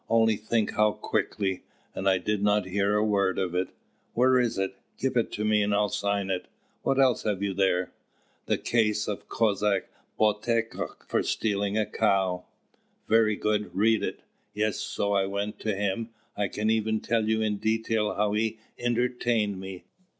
Only think how quickly! And I did not hear a word of it! Where is it? Give it me and I'll sign it. What else have you there?" "The case of Cossack Bokitok for stealing a cow." "Very good; read it! Yes, so I went to him I can even tell you in detail how he entertained me.